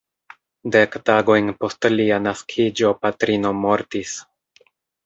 Dek tagojn post lia naskiĝo patrino mortis.